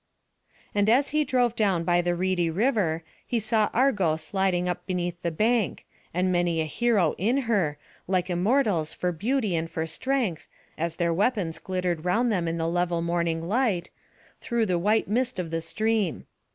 And as he drove down by the reedy river, he saw Argo sliding up beneath the bank, and many a hero in her, like immortals for beauty and for strength, as their weapons glittered round them in the level morning sunlight, through the white mist of the stream.